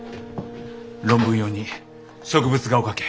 論文用に植物画を描け。